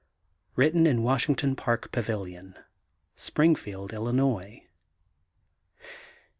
Written in Washington Park Pavilion, Springfield, IlUnois. .